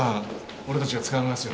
俺たちが捕まえますよ